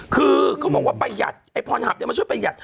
คือเขาบอกว่าประหยัดไอ้พรหับมาช่วยประหยัด